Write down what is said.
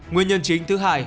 nguyên nhân chính thứ hai